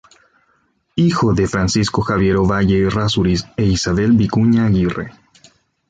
Hijo de Francisco Javier Ovalle Errázuriz e Isabel Vicuña Aguirre.